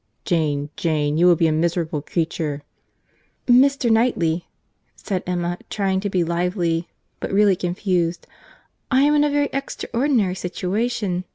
—Jane, Jane, you will be a miserable creature." "Mr. Knightley," said Emma, trying to be lively, but really confused—"I am in a very extraordinary situation.